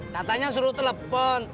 katanya suruh telepon